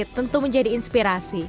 adit tentu menjadi inspirasi